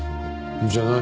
じゃあ何？